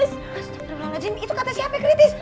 astagfirullahaladzim itu kata siapa yang kritis